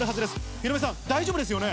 ヒロミさん、大丈夫ですよね？